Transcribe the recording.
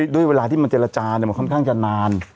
ด้วยเวลาที่มันเจรจามันค่อนข้างจะนาน